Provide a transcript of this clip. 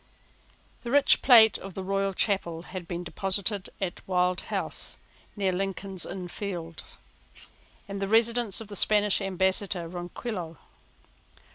The rich plate of the Chapel Royal had been deposited at Wild House, near Lincoln's Inn Fields, the residence of the Spanish ambassador Ronquillo.